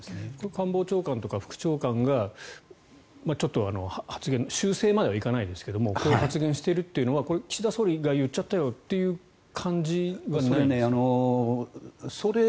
官房長官とか副長官がちょっと発言を修正まではいかないですがこういう発言をしているというのは岸田総理が言っちゃったよという感じはないんですか？